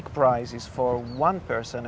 dan sebabnya harga besar ini